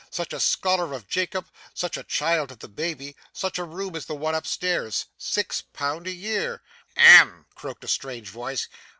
such a scholar of Jacob, such a child of the baby, such a room of the one up stairs! Six pound a year!' 'Hem!' croaked a strange voice.